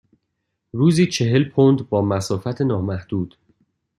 روزی چهل پوند با مسافت نامحدود.